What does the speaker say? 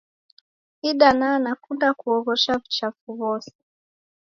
Idana nakunda kuoghosha wuchafu whose.